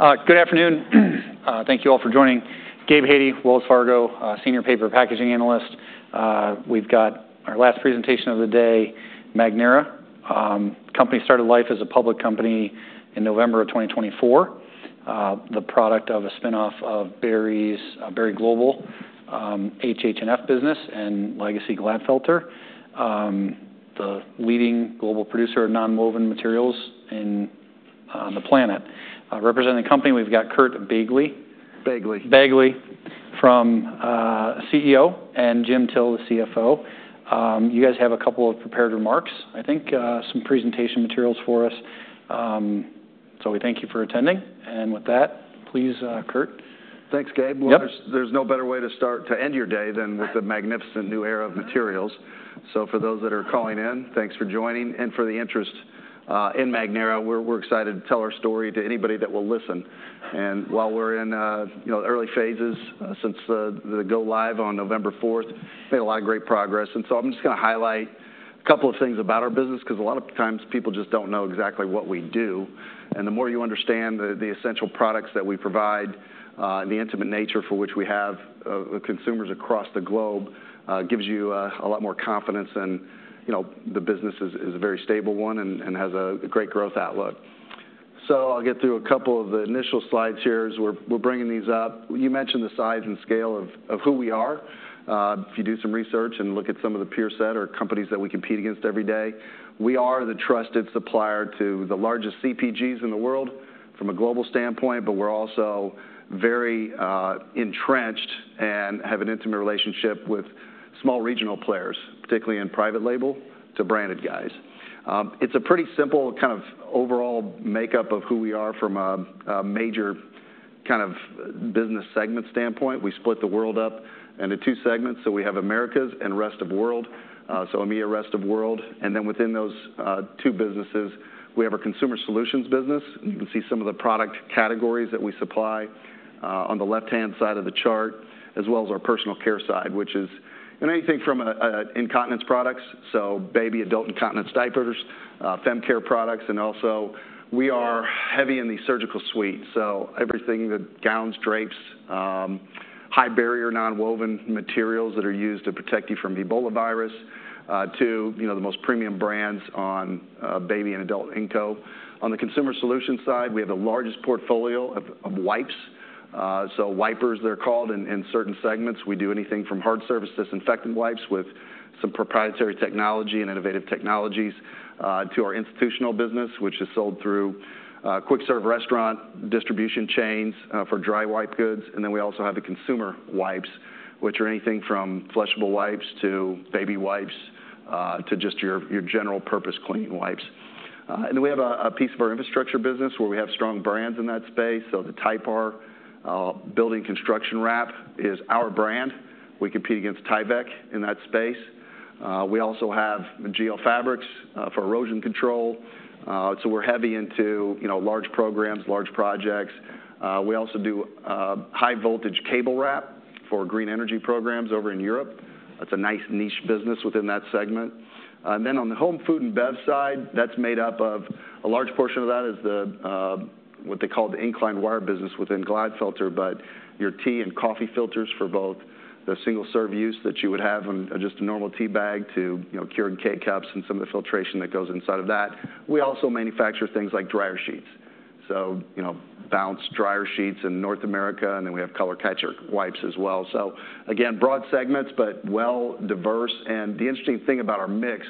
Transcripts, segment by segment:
Okay. Good afternoon. Thank you all for joining. Gabe Hajde, Wells Fargo, Senior Paper Packaging Analyst. We've got our last presentation of the day, Magnera. The company started life as a public company in November of 2024, the product of a spin-off of Berry's Berry Global HHNF business and legacy Glatfelter, the leading global producer of nonwoven materials on the planet. Representing the company, we've got Curt Begle. Begle. Begle from CEO and Jim Till, the CFO. You guys have a couple of prepared remarks, I think, some presentation materials for us. We thank you for attending. With that, please, Curt. Thanks, Gabe. There's no better way to start to end your day than with the magnificent new era of materials. For those that are calling in, thanks for joining. And for the interest in Magnera, we're excited to tell our story to anybody that will listen. While we're in the early phases since the go-live on November 4th, we made a lot of great progress. I'm just going to highlight a couple of things about our business because a lot of times people just don't know exactly what we do. The more you understand the essential products that we provide, the intimate nature for which we have consumers across the globe gives you a lot more confidence in the business is a very stable one and has a great growth outlook. I'll get through a couple of the initial slides here as we're bringing these up. You mentioned the size and scale of who we are. If you do some research and look at some of the peer set or companies that we compete against every day, we are the trusted supplier to the largest CPGs in the world from a global standpoint, but we're also very entrenched and have an intimate relationship with small regional players, particularly in private label to branded guys. It's a pretty simple kind of overall makeup of who we are from a major kind of business segment standpoint. We split the world up into two segments. We have Americas and Rest of World. EMEA, Rest of World. And then within those two businesses, we have a consumer solutions business. You can see some of the product categories that we supply on the left-hand side of the chart, as well as our personal care side, which is anything from incontinence products, so baby, adult incontinence diapers, fem care products. Also, we are heavy in the surgical suite. Everything that gowns, drapes, high barrier nonwoven materials that are used to protect you from Ebola virus to the most premium brands on baby and adult Inco. On the consumer solutions side, we have the largest portfolio of wipes. Wipers, they are called in certain segments. We do anything from hard surface disinfectant wipes with some proprietary technology and innovative technologies to our institutional business, which is sold through quick serve restaurant distribution chains for dry wipe goods. We also have the consumer wipes, which are anything from flushable wipes to baby wipes to just your general purpose cleaning wipes. We have a piece of our infrastructure business where we have strong brands in that space. The TYPAR Building Construction Wrap is our brand. We compete against Tyvek in that space. We also have GeoFabrics for erosion control. We are heavy into large programs, large projects. We also do high voltage cable wrap for green energy programs over in Europe. That is a nice niche business within that segment. On the home food and bev side, that's made up of a large portion of what they call the incline wire business within Glatfelter, but your tea and coffee filters for both the single serve use that you would have on just a normal tea bag to Keurig K-Cups and some of the filtration that goes inside of that. We also manufacture things like dryer sheets, so Bounce dryer sheets in North America. We have Color Catcher wipes as well. Again, broad segments, but well diverse. The interesting thing about our mix,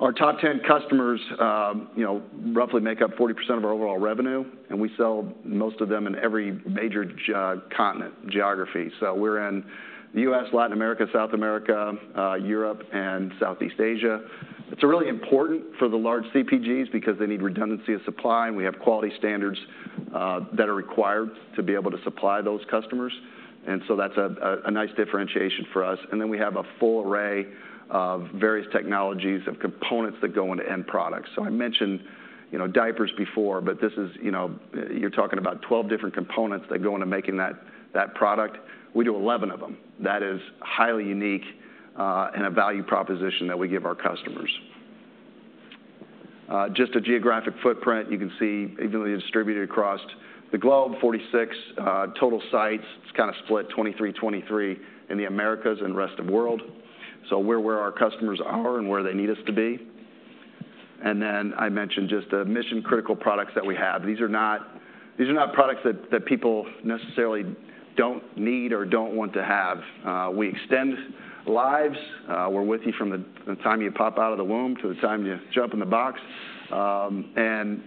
our top 10 customers roughly make up 40% of our overall revenue. We sell most of them in every major continent geography. We're in the U.S., Latin America, South America, Europe, and Southeast Asia. It's really important for the large CPGs because they need redundancy of supply. We have quality standards that are required to be able to supply those customers. That is a nice differentiation for us. We have a full array of various technologies of components that go into end products. I mentioned diapers before, but this is, you are talking about 12 different components that go into making that product. We do 11 of them. That is highly unique and a value proposition that we give our customers. Just a geographic footprint, you can see even though you are distributed across the globe, 46 total sites. It is kind of split 23, 23 in the Americas and Rest of World. We are where our customers are and where they need us to be. I mentioned just the mission critical products that we have. These are not products that people necessarily do not need or do not want to have. We extend lives. We're with you from the time you pop out of the womb to the time you jump in the box.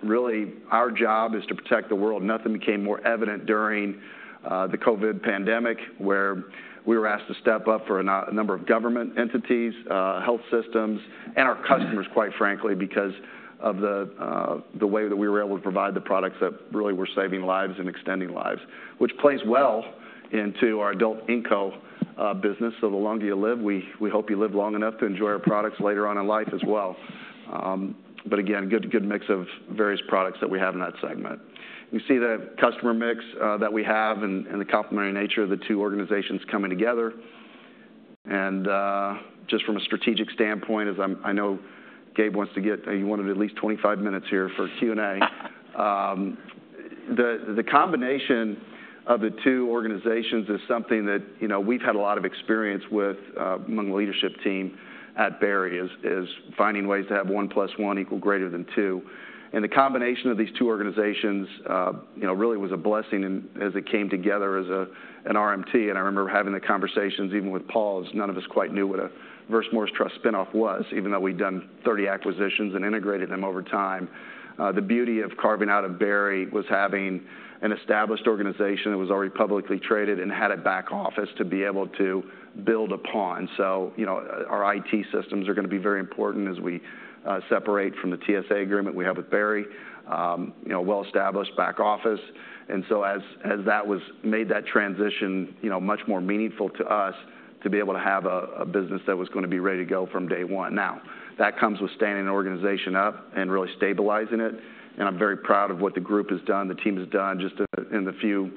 Really our job is to protect the world. Nothing became more evident during the COVID pandemic where we were asked to step up for a number of government entities, health systems, and our customers, quite frankly, because of the way that we were able to provide the products that really were saving lives and extending lives, which plays well into our adult Inco business. The longer you live, we hope you live long enough to enjoy our products later on in life as well. Again, good mix of various products that we have in that segment. You see the customer mix that we have and the complementary nature of the two organizations coming together. Just from a strategic standpoint, as I know Gabe wants to get, he wanted at least 25 minutes here for Q&A. The combination of the two organizations is something that we've had a lot of experience with among the leadership team at Berry is finding ways to have one plus one equal greater than two. The combination of these two organizations really was a blessing as it came together as an RMT. I remember having the conversations even with Paul as none of us quite knew what a Reverse Morris Trust spin-off was, even though we'd done 30 acquisitions and integrated them over time. The beauty of carving out of Berry was having an established organization that was already publicly traded and had a back office to be able to build upon. Our IT systems are going to be very important as we separate from the TSA agreement we have with Berry, well-established back office. As that was made, that transition was much more meaningful to us to be able to have a business that was going to be ready to go from day one. That comes with standing an organization up and really stabilizing it. I'm very proud of what the group has done, the team has done just in the few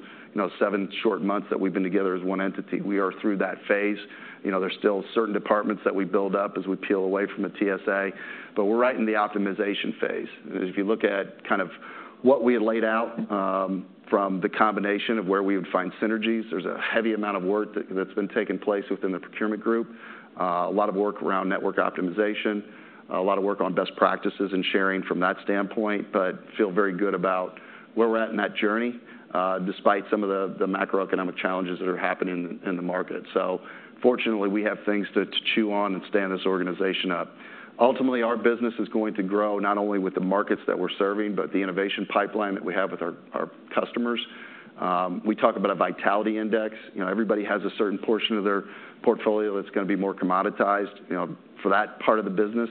seven short months that we've been together as one entity. We are through that phase. There are still certain departments that we build up as we peel away from the TSA, but we're right in the optimization phase. If you look at kind of what we had laid out from the combination of where we would find synergies, there's a heavy amount of work that's been taking place within the procurement group, a lot of work around network optimization, a lot of work on best practices and sharing from that standpoint, but feel very good about where we're at in that journey despite some of the macroeconomic challenges that are happening in the market. Fortunately, we have things to chew on and stand this organization up. Ultimately, our business is going to grow not only with the markets that we're serving, but the innovation pipeline that we have with our customers. We talk about a Vitality index. Everybody has a certain portion of their portfolio that's going to be more commoditized for that part of the business.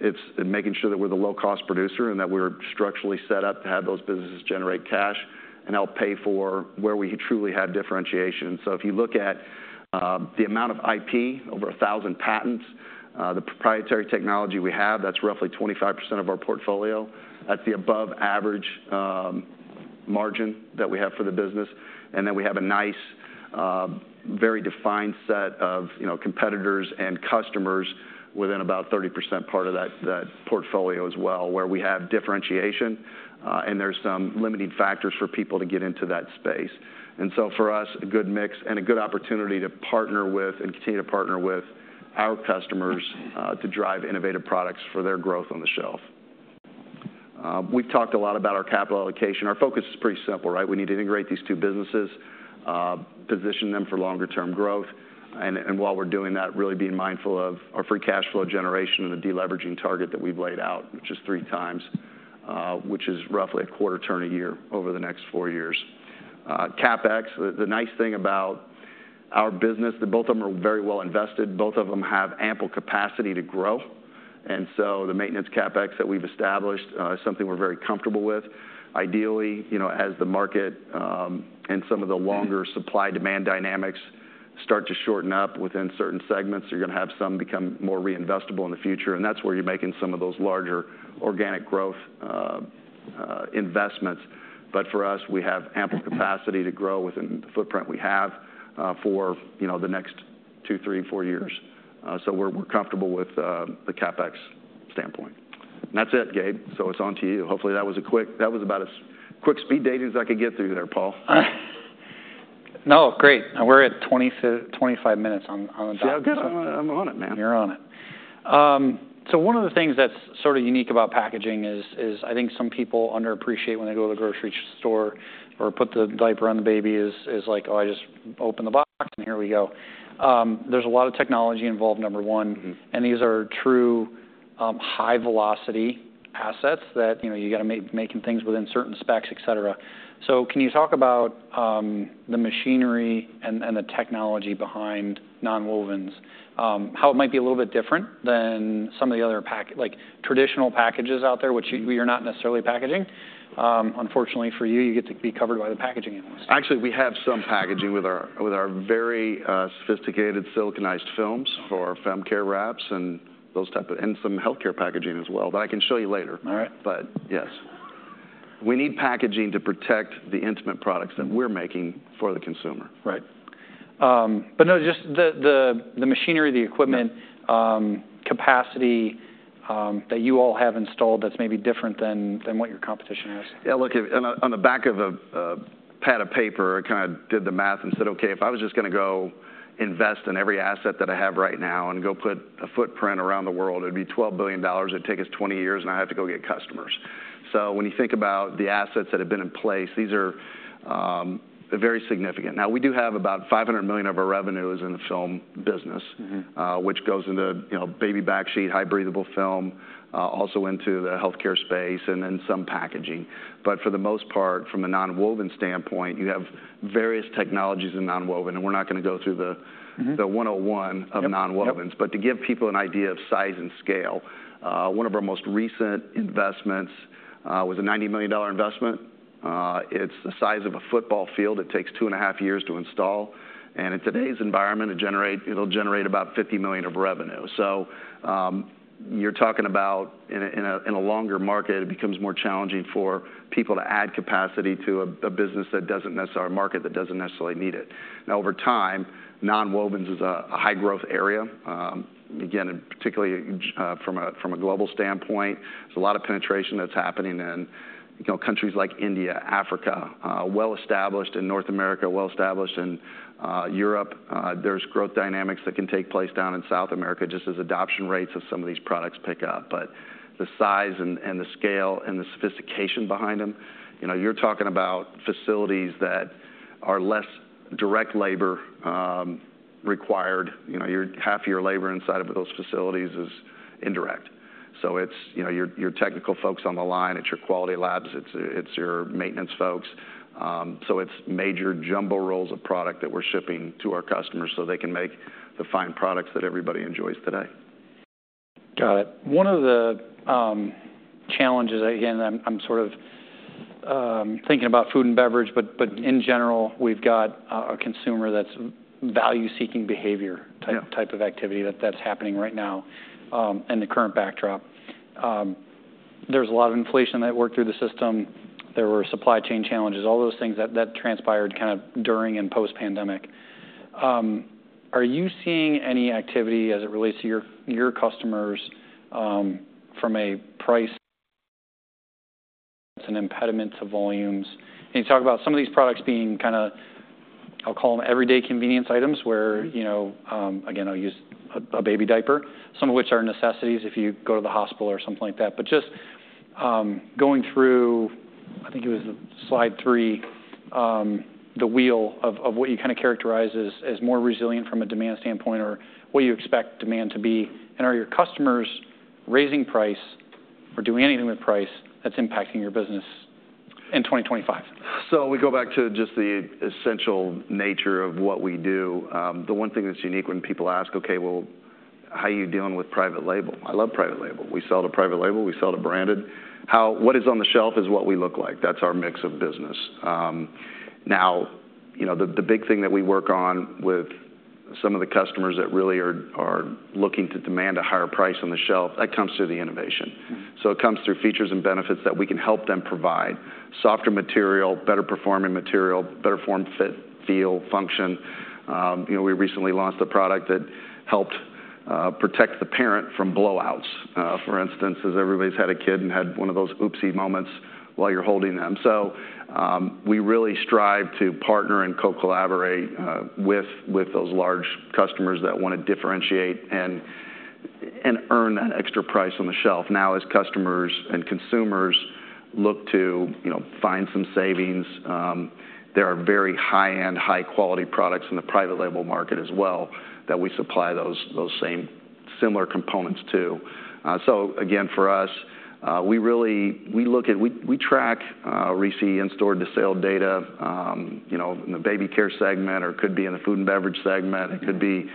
It's making sure that we're the low-cost producer and that we're structurally set up to have those businesses generate cash and help pay for where we truly have differentiation. If you look at the amount of IP, over 1,000 patents, the proprietary technology we have, that's roughly 25% of our portfolio. That's the above-average margin that we have for the business. We have a nice, very defined set of competitors and customers within about 30% part of that portfolio as well, where we have differentiation and there are some limiting factors for people to get into that space. For us, a good mix and a good opportunity to partner with and continue to partner with our customers to drive innovative products for their growth on the shelf. We've talked a lot about our capital allocation. Our focus is pretty simple, right? We need to integrate these two businesses, position them for longer-term growth. While we're doing that, really being mindful of our free cash flow generation and the deleveraging target that we've laid out, which is three times, which is roughly a quarter turn a year over the next four years. CapEx, the nice thing about our business, that both of them are very well invested, both of them have ample capacity to grow. The maintenance CapEx that we've established is something we're very comfortable with. Ideally, as the market and some of the longer supply-demand dynamics start to shorten up within certain segments, you're going to have some become more reinvestable in the future. That's where you're making some of those larger organic growth investments. For us, we have ample capacity to grow within the footprint we have for the next two, three, four years. We're comfortable with the CapEx standpoint. That's it, Gabe. Hopefully, that was about as quick speed dating as I could get through there, Paul. No, great. We're at 25 minutes on the dot. Yeah, good. I'm on it, man. You're on it. One of the things that's sort of unique about packaging is I think some people underappreciate when they go to the grocery store or put the diaper on the baby is like, "Oh, I just open the box and here we go." There's a lot of technology involved, number one. These are true high-velocity assets that you got to make things within certain specs, etc. Can you talk about the machinery and the technology behind nonwovens, how it might be a little bit different than some of the other traditional packages out there, which you're not necessarily packaging? Unfortunately for you, you get to be covered by the packaging analyst. Actually, we have some packaging with our very sophisticated siliconized films for fem care wraps and those type of, and some healthcare packaging as well that I can show you later. Yes, we need packaging to protect the intimate products that we're making for the consumer. Right. No, just the machinery, the equipment capacity that you all have installed that's maybe different than what your competition has. Yeah, look, on the back of a pad of paper, I kind of did the Math and said, "Okay, if I was just going to go invest in every asset that I have right now and go put a footprint around the world, it would be $12 billion. It would take us 20 years and I have to go get customers." When you think about the assets that have been in place, these are very significant. Now, we do have about $500 million of our revenue in the film business, which goes into baby backsheet, highly breathable film, also into the healthcare space, and then some packaging. For the most part, from a nonwoven standpoint, you have various technologies in nonwoven. We're not going to go through the 101 of nonwovens. To give people an idea of size and scale, one of our most recent investments was a $90 million investment. It is the size of a football field. It takes two and a half years to install. In today's environment, it will generate about $50 million of revenue. You are talking about in a longer market, it becomes more challenging for people to add capacity to a business that does not necessarily, a market that does not necessarily need it. Now, over time, nonwovens is a high growth area. Again, particularly from a global standpoint, there is a lot of penetration that is happening in countries like India, Africa, well established in North America, well established in Europe. There are growth dynamics that can take place down in South America just as adoption rates of some of these products pick up. The size and the scale and the sophistication behind them, you're talking about facilities that are less direct labor required. Half of your labor inside of those facilities is indirect. So it's your technical folks on the line. It's your quality labs. It's your maintenance folks. It's major jumbo rolls of product that we're shipping to our customers so they can make the fine products that everybody enjoys today. Got it. One of the challenges, again, I'm sort of thinking about food and beverage, but in general, we've got a consumer that's value-seeking behavior type of activity that's happening right now in the current backdrop. There's a lot of inflation that worked through the system. There were supply chain challenges, all those things that transpired kind of during and post-pandemic. Are you seeing any activity as it relates to your customers from a price that's an impediment to volumes? You talk about some of these products being kind of, I'll call them everyday convenience items where, again, I'll use a baby diaper, some of which are necessities if you go to the hospital or something like that. Just going through, I think it was slide three, the wheel of what you kind of characterize as more resilient from a demand standpoint or what you expect demand to be. Are your customers raising price or doing anything with price that's impacting your business in 2025? We go back to just the essential nature of what we do. The one thing that's unique when people ask, "Okay, well, how are you dealing with private label?" I love private label. We sell to private label. We sell to branded. What is on the shelf is what we look like. That's our mix of business. Now, the big thing that we work on with some of the customers that really are looking to demand a higher price on the shelf, that comes through the innovation. It comes through features and benefits that we can help them provide: softer material, better performing material, better form, fit, feel, function. We recently launched a product that helped protect the parent from blowouts, for instance, as everybody's had a kid and had one of those oopsie moments while you're holding them. We really strive to partner and co-collaborate with those large customers that want to differentiate and earn that extra price on the shelf. Now, as customers and consumers look to find some savings, there are very high-end, high-quality products in the private label market as well that we supply those same similar components to. Again, for us, we really look at, we track receipt and stored to sale data in the baby care segment or could be in the food and beverage segment. It could be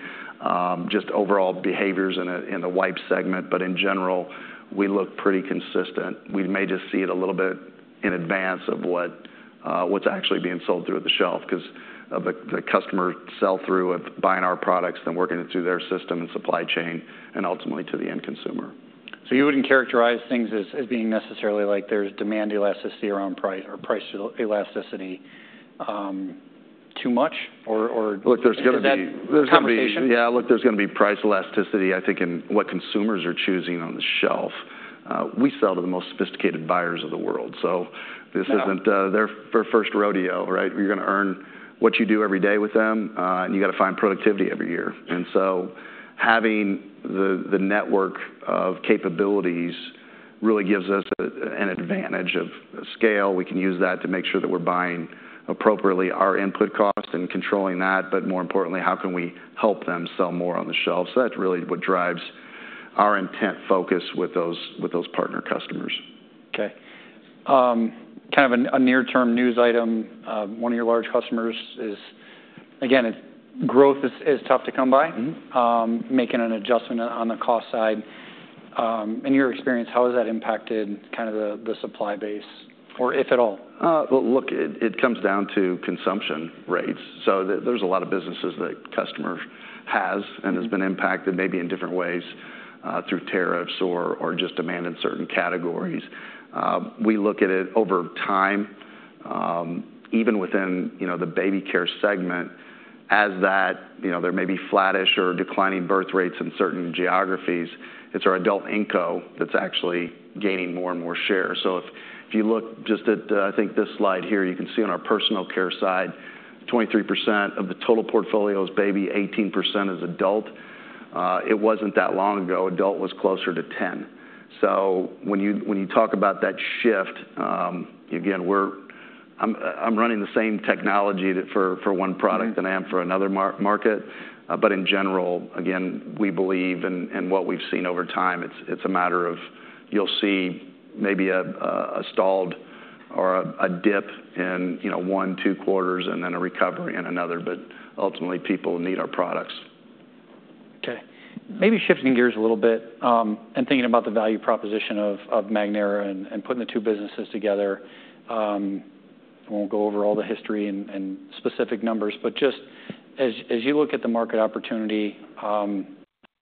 just overall behaviors in the wipe segment. In general, we look pretty consistent. We may just see it a little bit in advance of what's actually being sold through the shelf because of the customer sell-through of buying our products, then working it through their system and supply chain and ultimately to the end consumer. You wouldn't characterize things as being necessarily like there's demand elasticity or price elasticity too much, or is that conversation? Look, there's going to be price elasticity, I think, in what consumers are choosing on the shelf. We sell to the most sophisticated buyers of the world. This isn't their first rodeo, right? You're going to earn what you do every day with them, and you got to find productivity every year. Having the network of capabilities really gives us an advantage of scale. We can use that to make sure that we're buying appropriately our input cost and controlling that. More importantly, how can we help them sell more on the shelf? That's really what drives our intent focus with those partner customers. Okay. Kind of a near-term news item, one of your large customers is, again, growth is tough to come by, making an adjustment on the cost side. In your experience, how has that impacted kind of the supply base or if at all? Look, it comes down to consumption rates. There is a lot of businesses that customer has and has been impacted maybe in different ways through tariffs or just demand in certain categories. We look at it over time, even within the baby care segment, as that there may be flattish or declining birth rates in certain geographies. It is our adult Inco that is actually gaining more and more share. If you look just at, I think this slide here, you can see on our personal care side, 23% of the total portfolio is baby, 18% is adult. It was not that long ago. Adult was closer to 10. When you talk about that shift, again, I am running the same technology for one product than I am for another market. In general, again, we believe in what we have seen over time. It's a matter of you'll see maybe a stalled or a dip in one, two quarters, and then a recovery in another. Ultimately, people need our products. Okay. Maybe shifting gears a little bit and thinking about the value proposition of Magnera and putting the two businesses together. I won't go over all the history and specific numbers, but just as you look at the market opportunity, we'll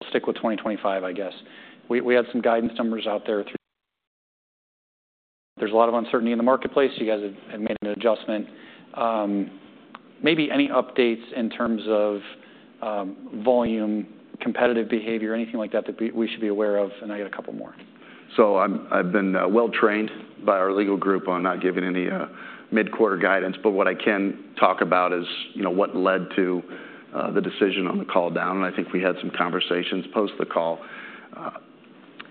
stick with 2025, I guess. We had some guidance numbers out there. There's a lot of uncertainty in the marketplace. You guys have made an adjustment. Maybe any updates in terms of volume, competitive behavior, anything like that that we should be aware of? I got a couple more. I've been well trained by our legal group on not giving any mid-quarter guidance. What I can talk about is what led to the decision on the call down. I think we had some conversations post the call.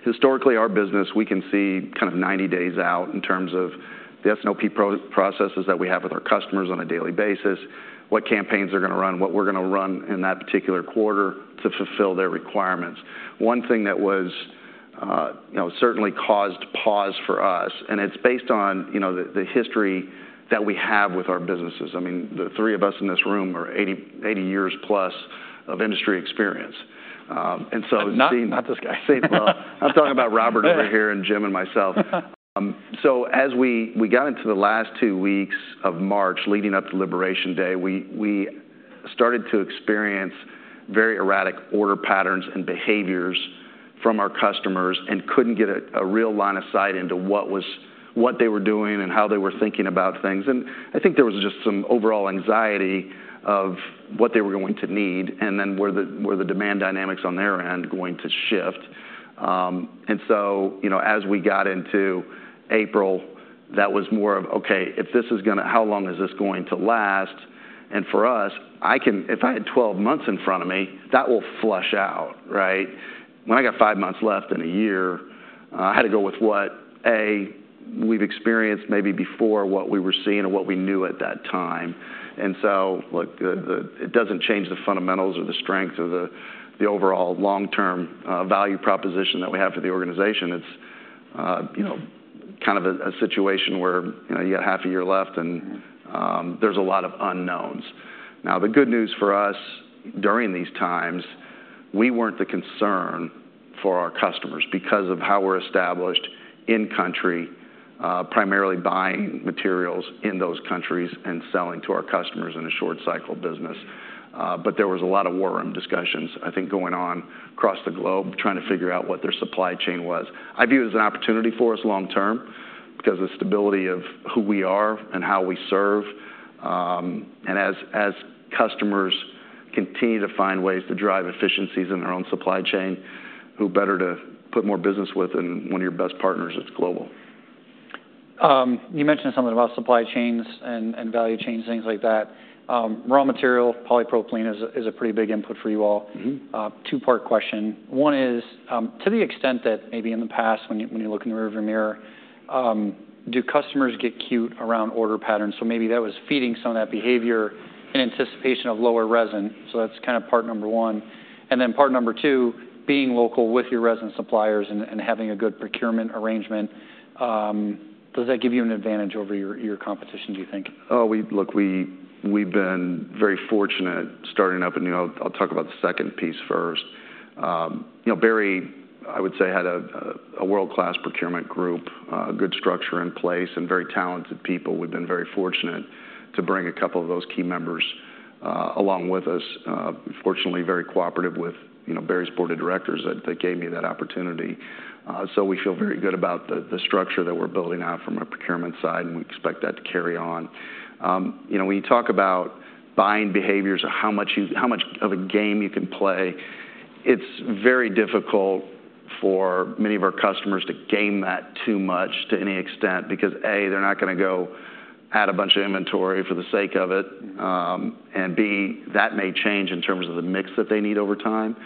Historically, our business, we can see kind of 90 days out in terms of the S&OP processes that we have with our customers on a daily basis, what campaigns they're going to run, what we're going to run in that particular quarter to fulfill their requirements. One thing that certainly caused pause for us, and it's based on the history that we have with our businesses. I mean, the three of us in this room are 80 years plus of industry experience. Not this guy. I'm talking about Robert over here and Jim and myself. As we got into the last two weeks of March leading up to Liberation Day, we started to experience very erratic order patterns and behaviors from our customers and could not get a real line of sight into what they were doing and how they were thinking about things. I think there was just some overall anxiety of what they were going to need and then where the demand dynamics on their end were going to shift. As we got into April, that was more of, "Okay, if this is going to, how long is this going to last?" For us, if I had 12 months in front of me, that will flush out, right? When I got five months left in a year, I had to go with what, A, we've experienced maybe before what we were seeing or what we knew at that time. It does not change the fundamentals or the strength or the overall long-term value proposition that we have for the organization. It is kind of a situation where you got half a year left and there is a lot of unknowns. The good news for us during these times, we were not the concern for our customers because of how we are established in country, primarily buying materials in those countries and selling to our customers in a short cycle business. There was a lot of war room discussions, I think, going on across the globe trying to figure out what their supply chain was. I view it as an opportunity for us long-term because of the stability of who we are and how we serve. As customers continue to find ways to drive efficiencies in their own supply chain, who better to put more business with than one of your best partners that's global? You mentioned something about supply chains and value chains, things like that. Raw material, polypropylene is a pretty big input for you all. Two-part question. One is, to the extent that maybe in the past, when you look in the rearview mirror, do customers get cute around order patterns? Maybe that was feeding some of that behavior in anticipation of lower resin. That is kind of part number one. Part number two, being local with your resin suppliers and having a good procurement arrangement, does that give you an advantage over your competition, do you think? Oh, look, we've been very fortunate starting up. I'll talk about the second piece first. Berry, I would say, had a world-class procurement group, a good structure in place, and very talented people. We've been very fortunate to bring a couple of those key members along with us. Fortunately, very cooperative with Berry's board of directors that gave me that opportunity. We feel very good about the structure that we're building out from a procurement side, and we expect that to carry on. When you talk about buying behaviors or how much of a game you can play, it's very difficult for many of our customers to game that too much to any extent because, A, they're not going to go add a bunch of inventory for the sake of it. B, that may change in terms of the mix that they need over time.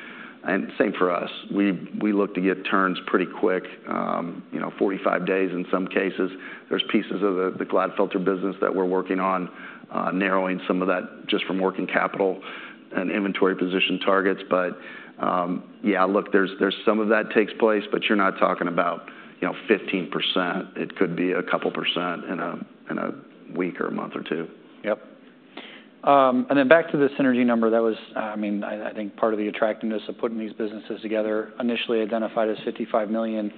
Same for us. We look to get turns pretty quick, 45 days in some cases. There are pieces of the cloud filter business that we're working on narrowing, some of that just from working capital and inventory position targets. Yeah, there's some of that that takes place, but you're not talking about 15%. It could be a couple percent in a week or a month or two. Yep. And then back to the synergy number that was, I mean, I think part of the attractiveness of putting these businesses together initially identified as $55 million.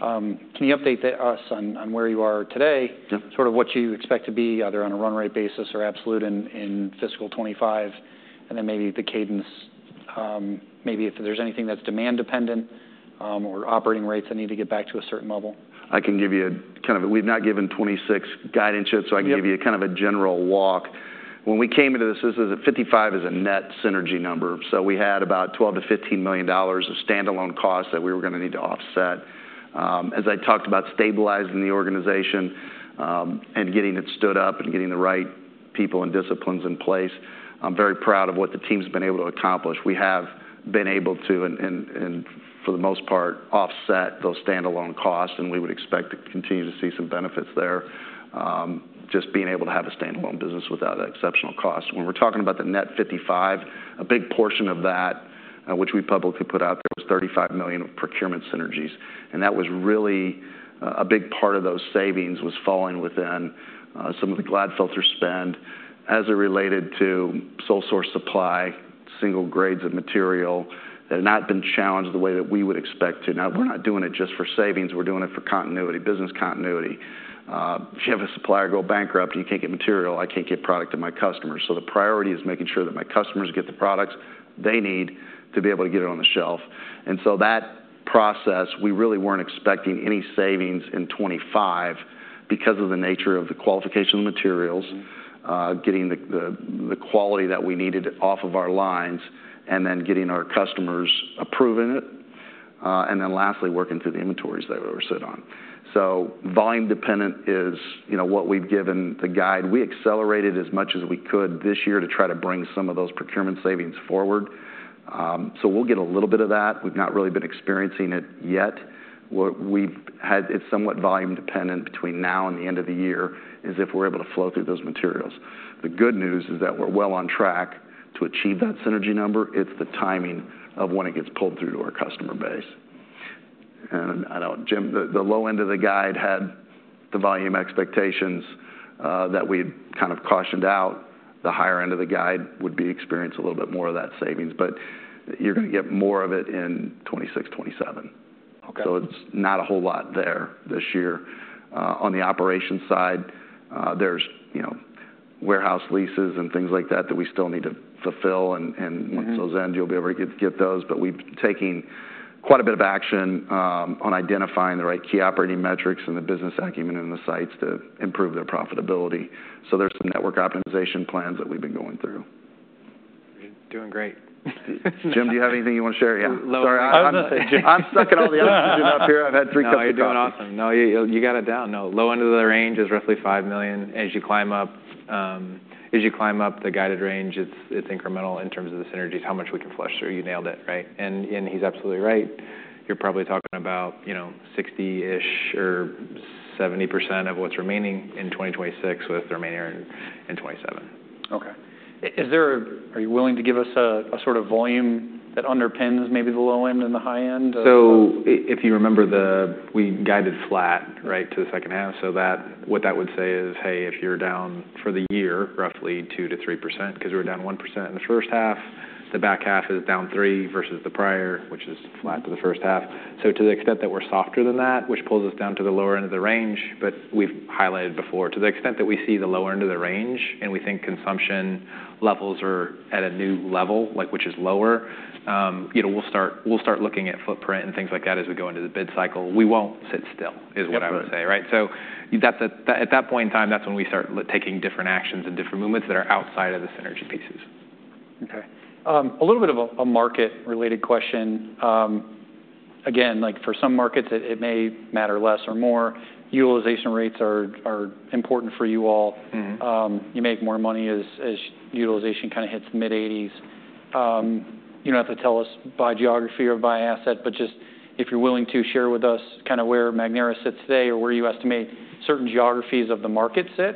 Can you update us on where you are today, sort of what you expect to be, either on a run rate basis or absolute in fiscal 2025, and then maybe the cadence, maybe if there's anything that's demand dependent or operating rates that need to get back to a certain level? I can give you kind of a, we've not given 2026 guidance yet, so I can give you kind of a general walk. When we came into this, this $55 million is a net synergy number. So we had about $12 million-$15 million of standalone costs that we were going to need to offset. As I talked about stabilizing the organization and getting it stood up and getting the right people and disciplines in place, I'm very proud of what the team's been able to accomplish. We have been able to, and for the most part, offset those standalone costs, and we would expect to continue to see some benefits there, just being able to have a standalone business without exceptional costs. When we're talking about the net $55 million, a big portion of that, which we publicly put out there, was $35 million of procurement synergies. That was really a big part of those savings, falling within some of the cloud filter spend as it related to sole source supply, single grades of material that have not been challenged the way that we would expect to. Now, we're not doing it just for savings. We're doing it for continuity, business continuity. If you have a supplier go bankrupt, you can't get material. I can't get product to my customers. The priority is making sure that my customers get the products they need to be able to get it on the shelf. That process, we really weren't expecting any savings in 2025 because of the nature of the qualification of the materials, getting the quality that we needed off of our lines, and then getting our customers approving it. Lastly, working through the inventories that we were sitting on. Volume dependent is what we've given the guide. We accelerated as much as we could this year to try to bring some of those procurement savings forward. We'll get a little bit of that. We've not really been experiencing it yet. It's somewhat volume dependent between now and the end of the year if we're able to flow through those materials. The good news is that we're well on track to achieve that synergy number. It's the timing of when it gets pulled through to our customer base. I know, Jim, the low end of the guide had the volume expectations that we kind of cautioned out. The higher end of the guide would be experience a little bit more of that savings, but you're going to get more of it in 2026, 2027. It's not a whole lot there this year. On the operation side, there's warehouse leases and things like that that we still need to fulfill. Once those end, you'll be able to get those. We've taken quite a bit of action on identifying the right key operating metrics and the business acumen and the sites to improve their profitability. There are some network optimization plans that we've been going through. Doing great. Jim, do you have anything you want to share? Yeah. Low end. Sorry, I'm stuck at all the other ones you've got up here. I've had three cuts down. No, you're doing awesome. No, you got it down. No, low end of the range is roughly $5 million. As you climb up, as you climb up the guided range, it's incremental in terms of the synergies, how much we can flush through. You nailed it, right? And he's absolutely right. You're probably talking about 60% or 70% of what's remaining in 2026 with the remainder in 2027. Okay. Are you willing to give us a sort of volume that underpins maybe the low end and the high end? If you remember, we guided flat, right, to the second half. What that would say is, hey, if you're down for the year, roughly 2%-3%, because we were down 1% in the first half, the back half is down 3% versus the prior, which is flat to the first half. To the extent that we're softer than that, which pulls us down to the lower end of the range, but we've highlighted before, to the extent that we see the lower end of the range and we think consumption levels are at a new level, which is lower, we'll start looking at footprint and things like that as we go into the bid cycle. We won't sit still is what I would say, right? At that point in time, that's when we start taking different actions and different movements that are outside of the synergy pieces. Okay. A little bit of a market-related question. Again, for some markets, it may matter less or more. Utilization rates are important for you all. You make more money as utilization kind of hits the mid-80s. You don't have to tell us by geography or by asset, but just if you're willing to share with us kind of where Magnera sits today or where you estimate certain geographies of the market sit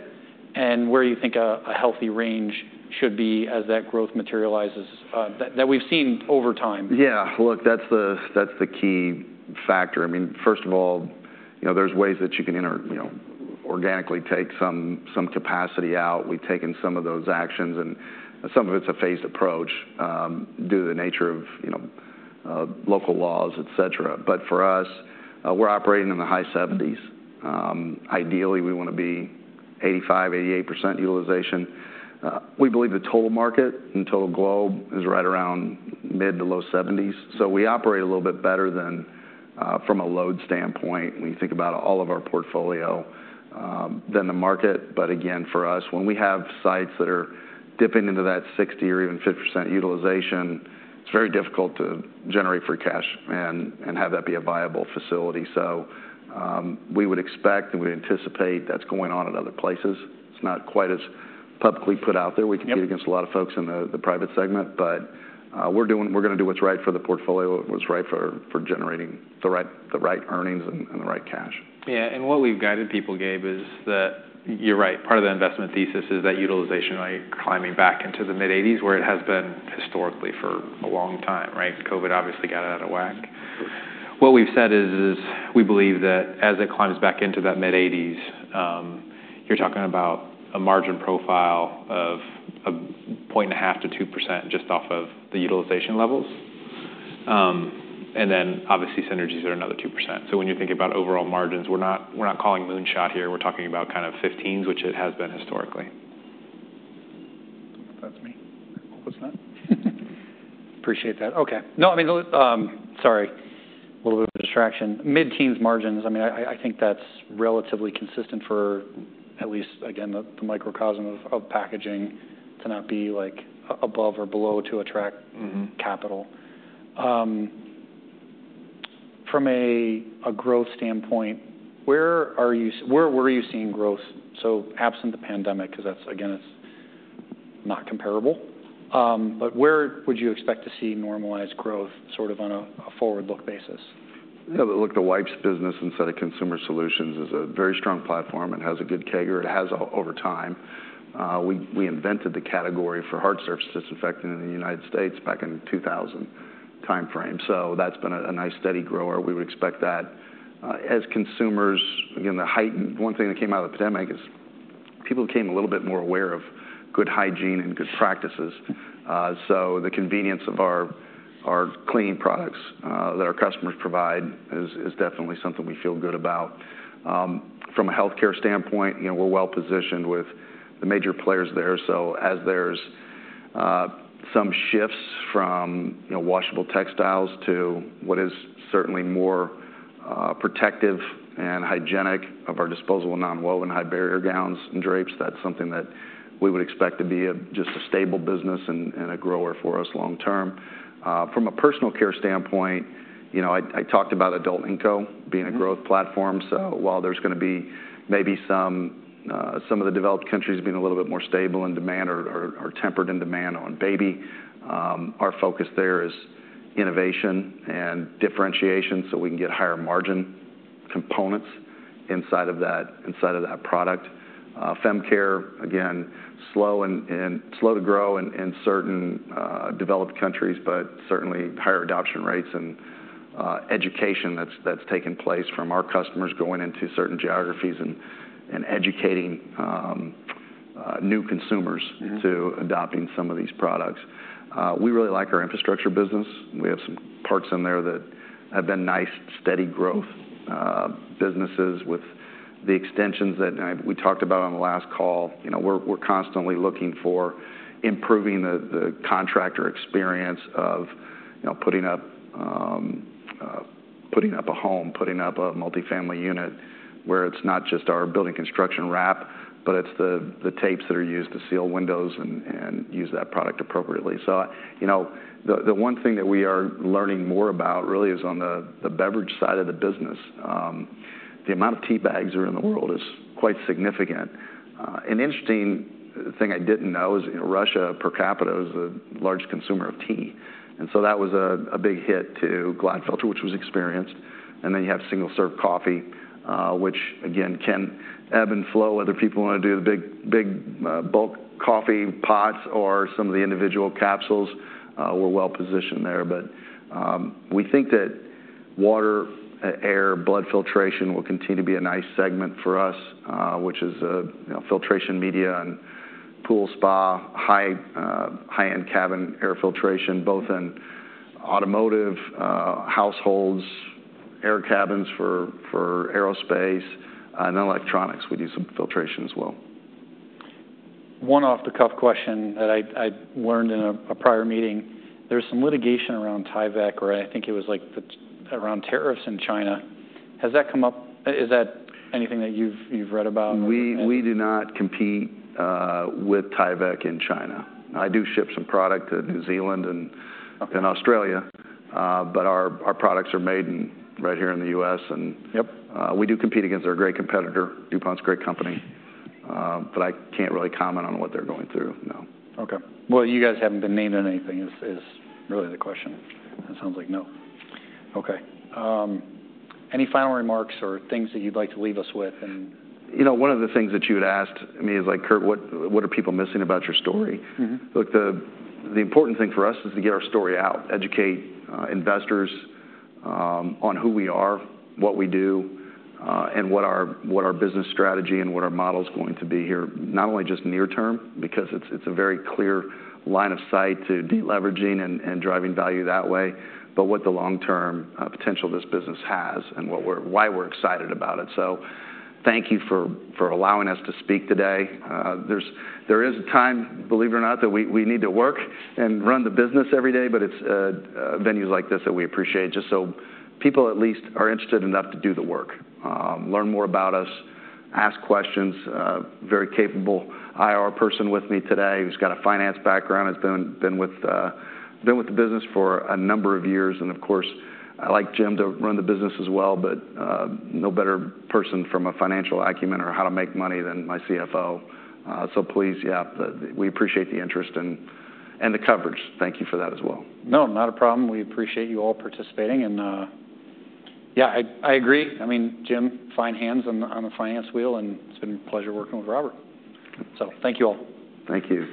and where you think a healthy range should be as that growth materializes that we've seen over time. Yeah. Look, that's the key factor. I mean, first of all, there's ways that you can organically take some capacity out. We've taken some of those actions, and some of it's a phased approach due to the nature of local laws, etc. For us, we're operating in the high 70s. Ideally, we want to be 85%-88% utilization. We believe the total market and total globe is right around mid to low 70s. We operate a little bit better than, from a load standpoint, when you think about all of our portfolio, than the market. Again, for us, when we have sites that are dipping into that 60% or even 50% utilization, it's very difficult to generate free cash and have that be a viable facility. We would expect and we anticipate that's going on in other places. It's not quite as publicly put out there. We compete against a lot of folks in the private segment, but we're going to do what's right for the portfolio, what's right for generating the right earnings and the right cash. Yeah. What we've guided people, Gabe, is that you're right. Part of the investment thesis is that utilization climbing back into the mid-80s where it has been historically for a long time, right? COVID obviously got it out of whack. What we've said is we believe that as it climbs back into that mid-80s, you're talking about a margin profile of 0.5%-2% just off of the utilization levels. Obviously synergies are another 2%. When you think about overall margins, we're not calling moonshot here. We're talking about kind of 15s, which it has been historically. That's me. What's that? Appreciate that. Okay. No, I mean, sorry. A little bit of a distraction. Mid-teens margins, I mean, I think that's relatively consistent for at least, again, the microcosm of packaging to not be above or below to attract capital. From a growth standpoint, where are you seeing growth? Absent the pandemic, because again, it's not comparable, but where would you expect to see normalized growth sort of on a forward-look basis? Look, the wipes business inside of consumer solutions is a very strong platform. It has a good CAGR. It has over time. We invented the category for hard surface disinfectant in the United States back in the 2000 timeframe. That has been a nice steady grower. We would expect that as consumers, again, the heightened one thing that came out of the pandemic is people became a little bit more aware of good hygiene and good practices. The convenience of our cleaning products that our customers provide is definitely something we feel good about. From a healthcare standpoint, we are well positioned with the major players there. As there are some shifts from washable textiles to what is certainly more protective and hygienic of our disposable nonwoven high barrier gowns and drapes, that is something that we would expect to be just a stable business and a grower for us long term. From a personal care standpoint, I talked about adult Inco being a growth platform. While there's going to be maybe some of the developed countries being a little bit more stable in demand or tempered in demand on baby, our focus there is innovation and differentiation so we can get higher margin components inside of that product. FemCare, again, slow to grow in certain developed countries, but certainly higher adoption rates and education that's taken place from our customers going into certain geographies and educating new consumers to adopting some of these products. We really like our infrastructure business. We have some parts in there that have been nice steady growth businesses with the extensions that we talked about on the last call. We're constantly looking for improving the contractor experience of putting up a home, putting up a multifamily unit where it's not just our building construction wrap, but it's the tapes that are used to seal windows and use that product appropriately. The one thing that we are learning more about really is on the beverage side of the business. The amount of tea bags that are in the world is quite significant. An interesting thing I didn't know is Russia per capital is a large consumer of tea. That was a big hit to Glatfelter, which was experienced. Then you have single serve coffee, which again, can ebb and flow. Other people want to do the big bulk coffee pots or some of the individual capsules. We're well positioned there. We think that water, air, blood filtration will continue to be a nice segment for us, which is filtration media and pool spa, high-end cabin air filtration, both in automotive households, air cabins for aerospace, and electronics. We do some filtration as well. One off-the-cuff question that I learned in a prior meeting. There's some litigation around Tyvek, or I think it was around tariffs in China. Has that come up? Is that anything that you've read about? We do not compete with Tyvek in China. I do ship some product to New Zealand and Australia, but our products are made right here in the U.S. We do compete against our great competitor, DuPont's great company. I can't really comment on what they're going through, no. Okay. You guys haven't been named in anything is really the question. It sounds like no. Okay. Any final remarks or things that you'd like to leave us with? You know, one of the things that you had asked me is like, "Curt, what are people missing about your story?" Look, the important thing for us is to get our story out, educate investors on who we are, what we do, and what our business strategy and what our model is going to be here, not only just near term, because it's a very clear line of sight to deleveraging and driving value that way, but what the long-term potential this business has and why we're excited about it. Thank you for allowing us to speak today. There is a time, believe it or not, that we need to work and run the business every day, but it's venues like this that we appreciate just so people at least are interested enough to do the work, learn more about us, ask questions. Very capable IR person with me today who's got a finance background, has been with the business for a number of years. Of course, I like Jim to run the business as well, but no better person from a financial acumen or how to make money than my CFO. Please, yeah, we appreciate the interest and the coverage. Thank you for that as well. No, not a problem. We appreciate you all participating. Yeah, I agree. I mean, Jim, fine hands on the finance wheel, and it's been a pleasure working with Robert. Thank you all. Thank you.